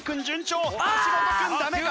橋本君ダメか？